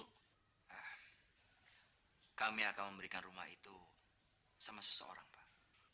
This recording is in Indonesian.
nah kami akan memberikan rumah itu sama seseorang pak